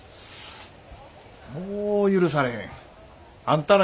もう許されへん。